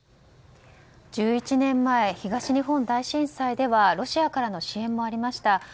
１１年前、東日本大震災ではロシアからの支援もありました。